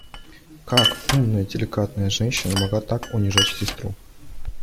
Как умная, деликатная женщина могла так унижать сестру!